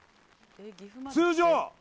通常？